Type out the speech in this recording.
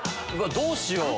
どうしよう？